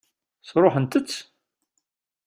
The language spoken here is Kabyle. Sṛuḥent-tt?